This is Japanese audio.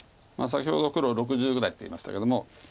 先ほど黒６０ぐらいって言いましたけども。